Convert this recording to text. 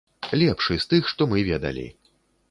Лепшы з тых, што мы ведалі.